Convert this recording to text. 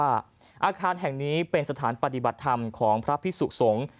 อาคารแห่งนี้เป็นสถานปฏิบัติธรรมของพระพิสุสงฆ์